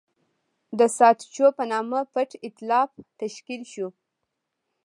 د ساتچو په نامه پټ اېتلاف تشکیل شو.